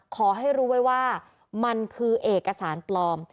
ขอให้รู้ไว้ว่ามันคือเอกสารปลอม